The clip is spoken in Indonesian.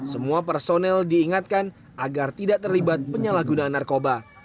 semua personel diingatkan agar tidak terlibat penyalahgunaan narkoba